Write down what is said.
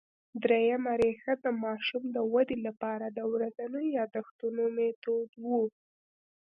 درېیمه ریښه د ماشوم د ودې له پاره د ورځينو یادښتونو مېتود وو